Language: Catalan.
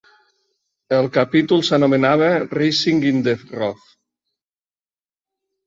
El capítol s'anomenava "Raising The Roof".